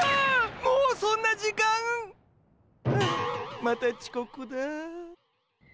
もうそんな時間！？はあまたちこくだ。